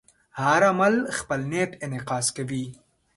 هر عمل خپل نیت انعکاس کوي.